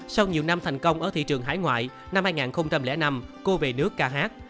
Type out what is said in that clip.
sau nhiều năm thành công ở thị trường hải ngoại năm hai nghìn năm cô về nước ca hát